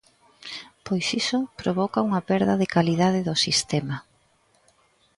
Pois iso provoca unha perda de calidade do sistema.